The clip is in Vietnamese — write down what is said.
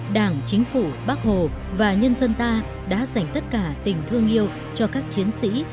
đảng chính phủ bác hồ và nhân dân ta đã dành tất cả tình thương yêu cho các chiến sĩ